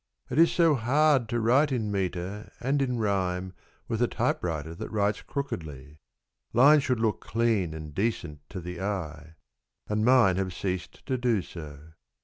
It is so hard to write in metre and in rime With a typewriter that writes crookedly. Lines should look clean and decent to the eye, And mine have ceased to do so.